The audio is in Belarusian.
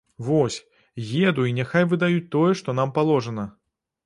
Вось, еду і няхай выдаюць тое, што нам паложана.